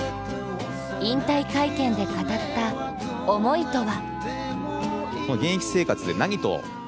引退会見で語った思いとは？